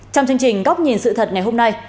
trong chương trình góc nhìn sự thật ngày hôm nay